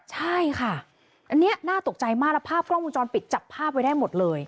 ใช่ค่ะอันนี้น่าตกใจมากแล้วภาพกล้องวงจรปิดจับภาพไว้ได้หมดเลย